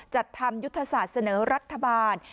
จัดทำยุทธศาสตร์เสนอรัฐบาล